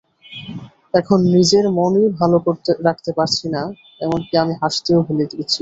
এখন নিজের মনই ভালো রাখতে পারি না, এমনকি আমি হাসতেও ভুলে গেছি।